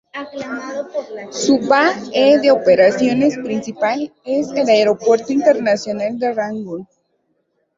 Su ba e de operaciones principal es el Aeropuerto Internacional de Rangún.